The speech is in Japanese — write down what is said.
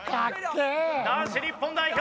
男子日本代表！